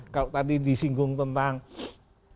kalau tadi disinggung tentang